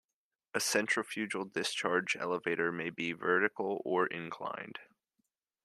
A centrifugal discharge elevator may be vertical or inclined.